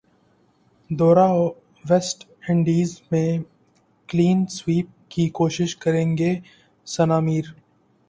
دورہ West Indies میں clean sweep کی کوشش کرینگے ثناء میر